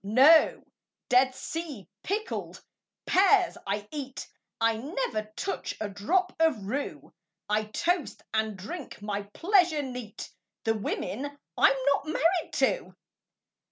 No Dead Sea pickled pears I eat; I never touch a drop of rue; I toast, and drink my pleasure neat, The women I'm not married to!